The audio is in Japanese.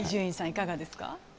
いかがですか？